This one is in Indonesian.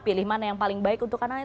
pilih mana yang paling baik untuk anaknya